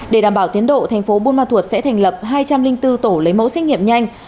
để đảm bảo tiến độ thành phố buôn ma thuột sẽ thành lập hai trăm linh bốn tổ lấy mẫu xét nghiệm nhanh